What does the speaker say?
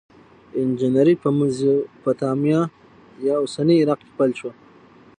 انجنیری په میزوپتامیا یا اوسني عراق کې پیل شوه.